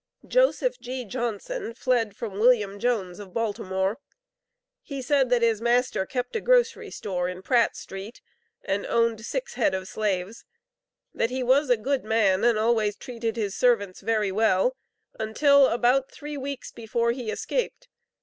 Joseph G. Johnson fled from William Jones of Baltimore. He said that his master kept a grocery store in Pratt street, and owned six head of slaves; that he was a "good man, and always treated his servants very well," until about three weeks before he escaped.